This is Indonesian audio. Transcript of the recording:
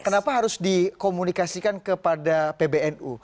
kenapa harus dikomunikasikan kepada pbnu